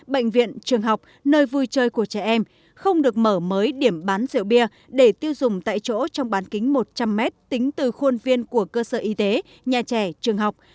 bệnh viện trường học nơi vui chơi của trẻ em không được mở mới điểm bán rượu bia để tiêu dùng tại chỗ trong bán kính một trăm linh m tính từ khuôn viên của cơ sở y tế nhà trẻ trường học